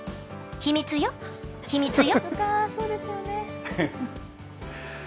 「秘密よ、秘密よ」。